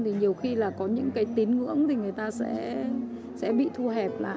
thì nhiều khi là có những cái tín ngưỡng thì người ta sẽ bị thu hẹp lại